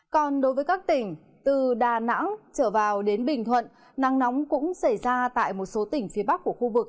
còn đối với các tỉnh từ đà nẵng trở vào đến bình thuận nắng nóng cũng xảy ra tại một số tỉnh phía bắc của khu vực